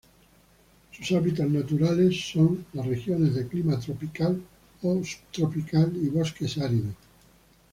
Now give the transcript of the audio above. Sus hábitats naturales son las regiones de clima tropical o subtropical, y bosques áridos.